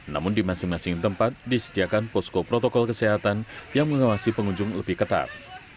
namun di masing masing tempat disediakan posko protokol kesehatan yang mengawasi pengunjung lebih ketat